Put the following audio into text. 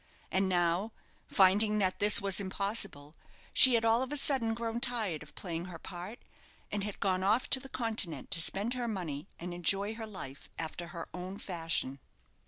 And now, finding that this was impossible, she had all of a sudden grown tired of playing her part, and had gone off to the Continent to spend her money, and enjoy her life after her own fashion.